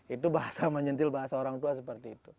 itu bahasa menyentil bahasa orang tua seperti itu